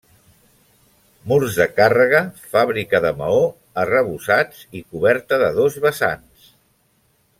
Murs de càrrega, fàbrica de maó, arrebossats i coberta de dos vessants.